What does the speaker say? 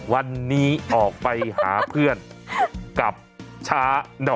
อยู่นี่หุ่นใดมาเพียบเลย